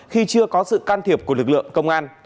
khi chưa có sự can thiệp của lực lượng công an